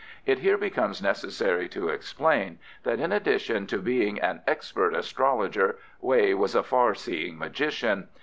It here becomes necessary to explain that in addition to being an expert astrologer, Wei was a far seeing magician.